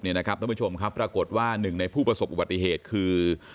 ท่านผู้ชมครับปรากฏว่าหนึ่งในผู้ประสบอุบัติเหตุคือ